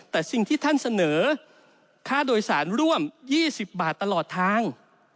แต่สิ่งที่ท่านเสนอค่าโดยสารร่วม๒๐บาทตลอดทาง